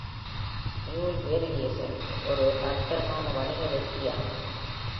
"மியூல் Variations" ஒரு நடுத்தரமான வணிக வெற்றியாகும்.